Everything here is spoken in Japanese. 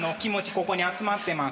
ここに集まってます。